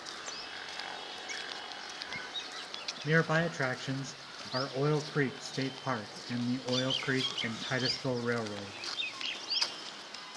Nearby attractions are Oil Creek State Park and the Oil Creek and Titusville Railroad.